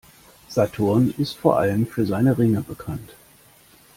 Saturn ist vor allem für seine Ringe bekannt.